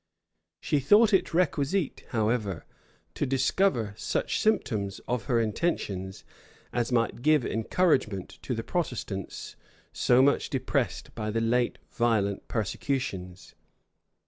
[] She thought it requisite, however, to discover such symptoms of her intentions as might give encouragement to the Protestants so much depressed by the late violent persecutions.